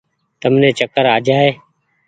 تم ني چڪر آ جآئي ۔